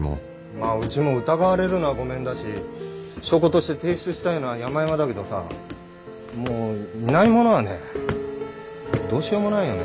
まあうちも疑われるのはごめんだし証拠として提出したいのはやまやまだけどさもういないものはねどうしようもないよね。